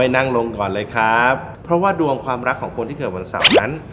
นั่งลงก่อนเลยครับเพราะว่าดวงความรักของคนที่เกิดวันเสาร์นั้น